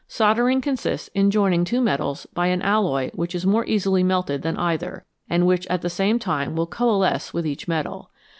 Soldering consists in joining two metals by an alloy which is more easily melted than either, and which at the same time will coalesce with each metal.